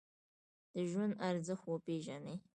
د ژوند ارزښت وپیژنئ